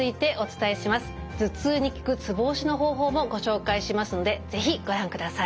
頭痛に効くツボ押しの方法もご紹介しますので是非ご覧ください。